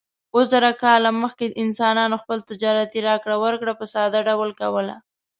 اووه زره کاله مخکې انسانانو خپل تجارتي راکړه ورکړه په ساده ډول کوله.